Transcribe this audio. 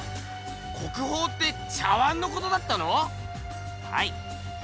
国宝って茶碗のことだったの⁉はい。